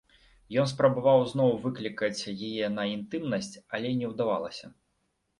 Ён спрабаваў зноў выклікаць яе на інтымнасць, але не ўдавалася.